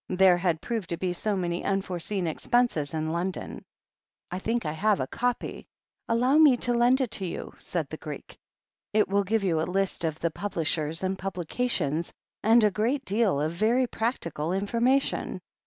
There had proved to be so many unforeseen expenses in London. "I think I have a copy. Allow me to lend it to you," said the Greek. "It will give you a list of the pub lishers, and publications, and a great deal of very practical information.